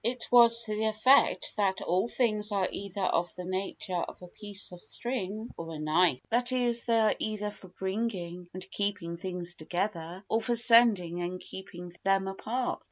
It was to the effect that all things are either of the nature of a piece of string or a knife. That is, they are either for bringing and keeping things together, or for sending and keeping them apart.